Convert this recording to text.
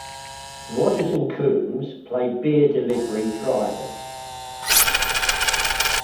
Rodgers and Combs play beer delivery drivers.